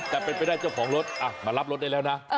แต่เป็นไปได้เจ้าของรถมารับรถได้แล้วนะ